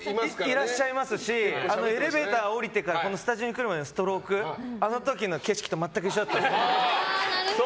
いらっしゃいますしエレベーター下りてからスタジオに来るまでのストロークがあの時と全く一緒だったので。